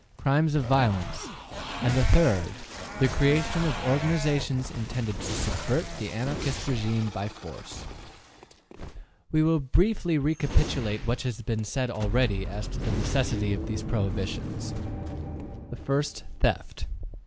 Crimes of violence. 3. The creation of organizations intended to subvert the Anarchist regime by force. We will briefly recapitulate what has been said already as to the necessity of these prohibitions. 1. Theft.